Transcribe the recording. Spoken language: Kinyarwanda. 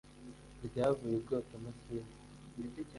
ryavuye ibwotamasimbi